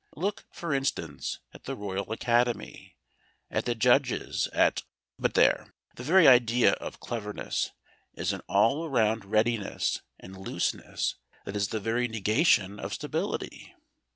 Look, for instance, at the Royal Academy, at the Judges, at But there! The very idea of cleverness is an all round readiness and looseness that is the very negation of stability.